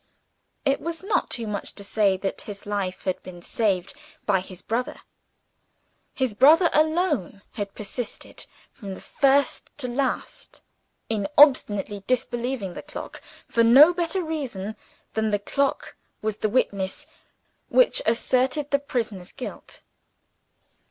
It was not too much to say that his life had been saved by his brother. His brother alone had persisted, from first to last, in obstinately disbelieving the clock for no better reason than that the clock was the witness which asserted the prisoner's guilt!